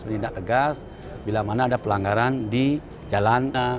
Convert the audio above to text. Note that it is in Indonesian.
menindak tegas bila mana ada pelanggaran di jalan